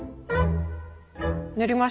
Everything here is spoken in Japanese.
塗りました。